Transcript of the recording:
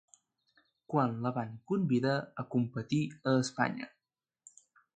Quan la van convidar a competir a Espanya?